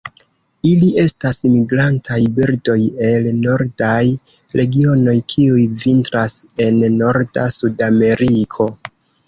Ili estas migrantaj birdoj el nordaj regionoj kiuj vintras en norda Sudameriko.